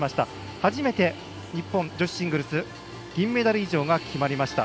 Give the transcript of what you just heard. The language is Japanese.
初めて、日本女子シングルス銀メダル以上が決まりました。